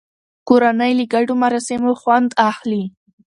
کورنۍ له ګډو مراسمو خوند اخلي